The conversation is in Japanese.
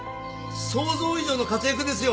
想像以上の活躍ですよ